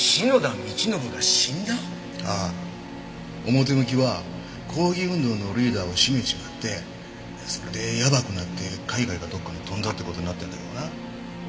表向きは抗議運動のリーダーを締めちまってそれでやばくなって海外かどこかに飛んだって事になってるんだけどな。